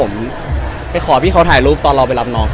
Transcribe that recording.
มีของพี่เขาถ่ายลูกตอนเราไปรับน้อง